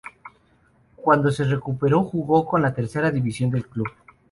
Cuando se recuperó, jugó con la Tercera División del club.